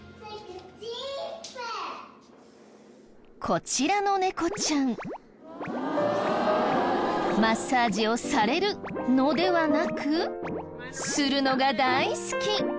こちらの猫ちゃんマッサージをされるのではなくするのが大好き！